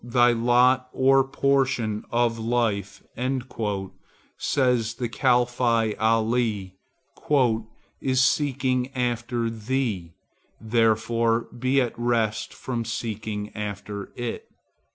"Thy lot or portion of life," said the Caliph Ali, "is seeking after thee; therefore be at rest from seeking after it."